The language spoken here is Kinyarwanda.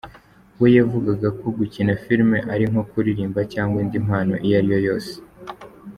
We yavugaga ko gukina film ari nko kuririmba cyangwa indi mpano iyo ariyo yose.